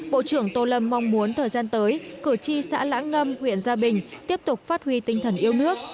bộ trưởng tô lâm mong muốn thời gian tới cử tri xã lãng ngâm huyện gia bình tiếp tục phát huy tinh thần yêu nước